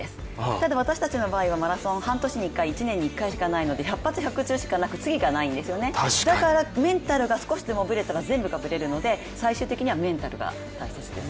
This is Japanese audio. ただ、私たちの場合はマラソン、半年に１回、１年に一回しかないので百発百中で、次がないんですよね、だからメンタルが少しでもぶれたら全部がぶれるので最終的にはメンタルが大切です。